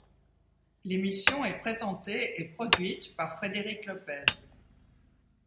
L'émission est présentée et produite par Frédéric Lopez.